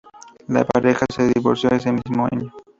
La pareja se divorció ese mismo año.